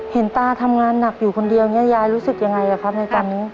ตาทำงานหนักอยู่คนเดียวอย่างนี้ยายรู้สึกยังไงครับในตอนนี้